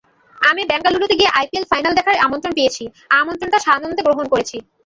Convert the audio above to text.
আমি বেঙ্গালুরুতে গিয়ে আইপিএল ফাইনাল দেখার আমন্ত্রণ পেয়েছি, আমন্ত্রণটা সানন্দে গ্রহণ করেছি।